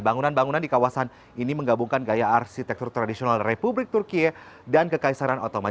bangunan bangunan di kawasan ini menggabungkan gaya arsitektur tradisional republik turkiye dan kekaisaran otoma